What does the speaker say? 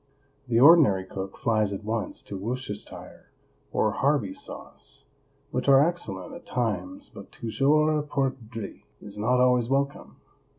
The ordinary cook flies at once to Worcestershire or Harvey sauce, which are excellent at times, but "toujours perdrix" is not always welcome.